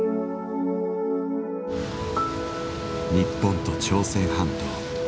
日本と朝鮮半島。